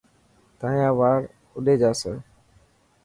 تايان وار اوڏي جاسي.